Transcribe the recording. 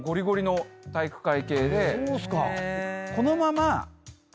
そうっすか。